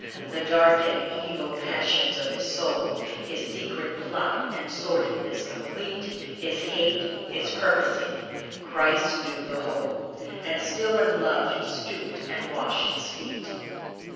The dark and evil passions of his soul, His secret plot, and sordidness complete, His hate, his purposing, Christ knew the whole, And still in love he stooped and washed his feet.